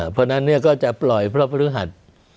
เพราะฉะนั้นก็จะปล่อยพระพฤหัส